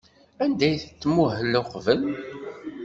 Anda ay tmuhel uqbel?